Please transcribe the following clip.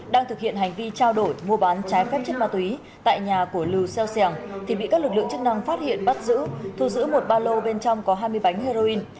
đang thực hiện hành vi trao đổi mua bán trái phép chất ma túy tại nhà của lưu xeo xẻng thì bị các lực lượng chức năng phát hiện bắt giữ thu giữ một ba lô bên trong có hai mươi bánh heroin